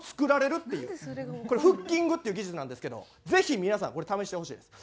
これフッキングっていう技術なんですけどぜひ皆さんこれ試してほしいです。